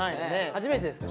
初めてですか？